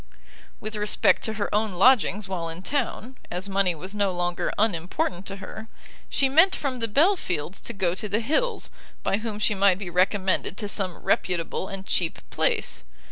With respect to her own lodgings while in town, as money was no longer unimportant to her, she meant from the Belfields to go to the Hills, by whom she might be recommended to some reputable and cheap place.